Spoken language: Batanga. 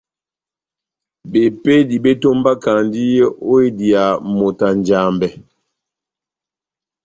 Bepédi bétómbakandi ó idiya moto na Njambɛ.